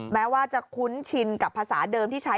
แม้ว่าจะคุ้นชินกับภาษาเดิมที่ใช้